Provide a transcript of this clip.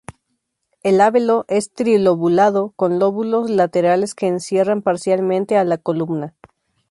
El labelo es trilobulado con lóbulos laterales que encierran parcialmente a la columna.